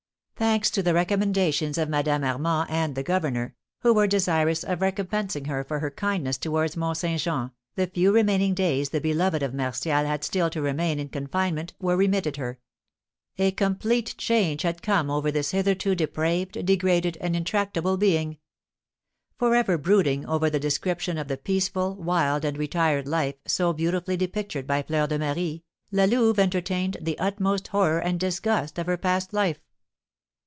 Thanks to the recommendations of Madame Armand and the governor, who were desirous of recompensing her for her kindness towards Mont Saint Jean, the few remaining days the beloved of Martial had still to remain in confinement were remitted her. A complete change had come over this hitherto depraved, degraded, and intractable being. Forever brooding over the description of the peaceful, wild, and retired life, so beautifully depictured by Fleur de Marie, La Louve entertained the utmost horror and disgust of her past life.